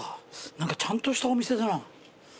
何かちゃんとしたお店だな。